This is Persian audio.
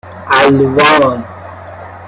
الوان